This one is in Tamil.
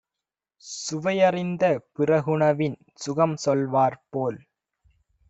சுவையறிந்த பிறகுணவின் சுகம்சொல் வார்போல்